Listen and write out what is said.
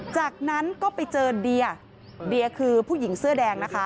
จากนั้นก็ไปเจอเดียเดียคือผู้หญิงเสื้อแดงนะคะ